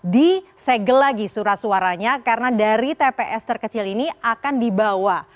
disegel lagi surat suaranya karena dari tps terkecil ini akan dibawa